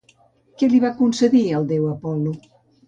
Què li va concedir el déu Apol·lo?